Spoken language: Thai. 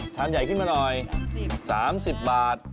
ใหญ่ขึ้นมาหน่อย๓๐บาท